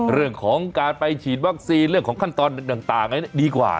เรื่องของการไปฉีดวัคซีนเรื่องของขั้นตอนต่างดีกว่า